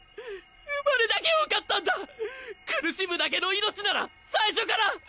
生まれなきゃよかったんだ苦しむだけの命なら最初から！